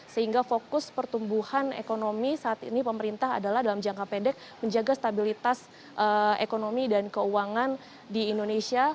sehingga fokus pertumbuhan ekonomi saat ini pemerintah adalah dalam jangka pendek menjaga stabilitas ekonomi dan keuangan di indonesia